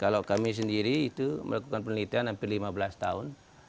kalau kami sendiri itu melakukan penelitian hampir lima belas tahun